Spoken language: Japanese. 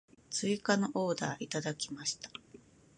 追加のオーダーをいただきました。